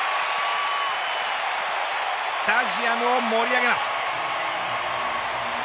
スタジアムを盛り上げます。